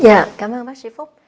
dạ cảm ơn bác sĩ phúc